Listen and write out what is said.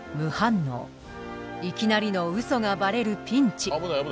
いきなりのウソがバレるピンチ。